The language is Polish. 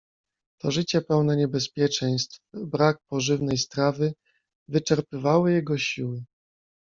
"To życie pełne niebezpieczeństw, brak pożywnej strawy wyczerpywały jego siły."